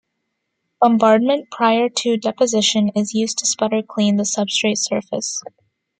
Bombardment prior to deposition is used to sputter clean the substrate surface.